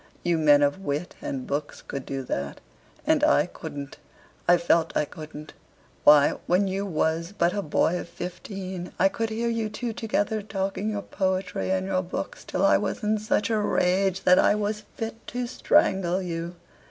You men of wit and books could do that, and I couldn't I felt I couldn't. Why, when you was but a boy of fifteen I could hear you two together talking your poetry and your books till I was in such a rage that I was fit to strangle you.